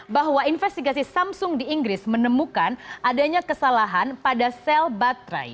bahwa investigasi samsung di inggris menemukan adanya kesalahan pada sel baterai